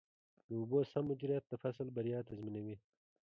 د اوبو سم مدیریت د فصل بریا تضمینوي.